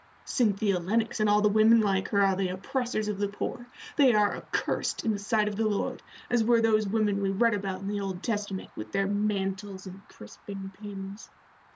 Cynthia Lennox and all the women like her are the oppressors of the poor. They are accursed in the sight of the Lord, as were those women we read about in the Old Testament, with their mantles and crisping pins.